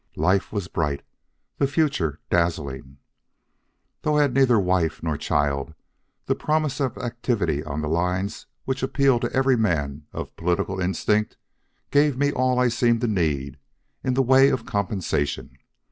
Life was bright, the future dazzling. Though I had neither wife nor child, the promise of activity on the lines which appeal to every man of political instinct gave me all I seemed to need in the way of compensation.